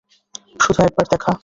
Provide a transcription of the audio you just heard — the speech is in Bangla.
শুধু একবার দেখা!